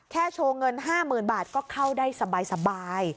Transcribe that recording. โชว์เงิน๕๐๐๐บาทก็เข้าได้สบาย